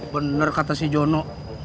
bener kata si jono